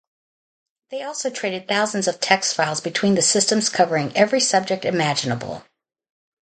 They also traded thousands of text files between the systems covering every subject imaginable.